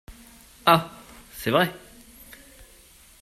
Ah ! c’est vrai.